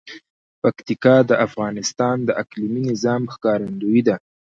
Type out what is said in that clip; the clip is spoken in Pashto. پکتیکا د افغانستان د اقلیمي نظام ښکارندوی ده.